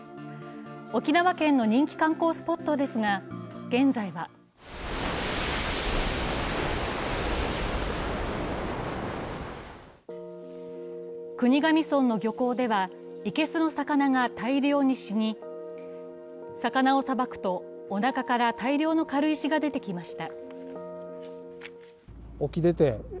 沖縄県の人気観光スポットですが、現在は国頭村の漁港では生けすの魚が大量に死に、魚をさばくと、おなかから大量の軽石が出てきました。